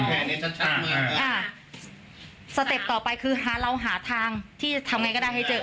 อ้าวสองอ้าวสเต็ปต่อไปคือเราหาทางที่ทำอย่างไรก็ได้ให้เจอ